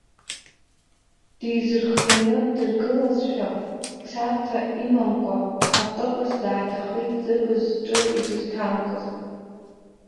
Дизырхианы ддыргылазшәа, царҭа имамкәа автобус дааҭахеит зыбз зҿы изызҭамкыз.